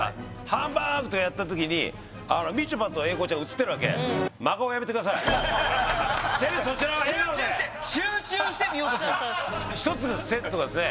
「ハンバーグ」とやった時にみちょぱと英孝ちゃんが映ってるわけせめてそちらは笑顔で集中して見ようとした１つのセットがですね